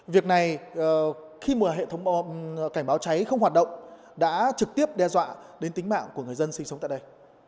việc này khi mà hệ thống cảnh báo cháy không hoạt động đã trực tiếp đe dọa đến tính mạng của người dân sinh sống tại đây